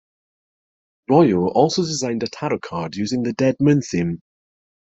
Royo also designed a tarot deck using the "Dead Moon" theme.